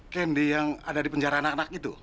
kendi yang ada di penjara anak anak itu